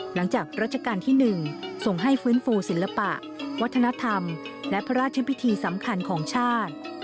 หลังจากรัชกาลที่๑ส่งให้ฟื้นฟูศิลปะวัฒนธรรมและพระราชพิธีสำคัญของชาติ